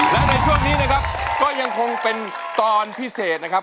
และในช่วงนี้นะครับก็ยังคงเป็นตอนพิเศษนะครับ